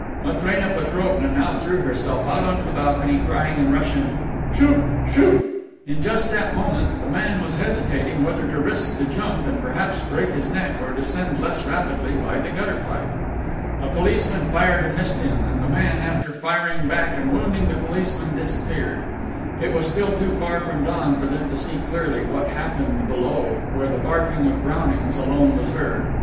Matrena Petrovna now threw herself out onto the balcony, crying in Russian, "Shoot! Shoot!" In just that moment the man was hesitating whether to risk the jump and perhaps break his neck, or descend less rapidly by the gutter pipe. A policeman fired and missed him, and the man, after firing back and wounding the policeman, disappeared. It was still too far from dawn for them to see clearly what happened below, where the barking of Brownings alone was heard.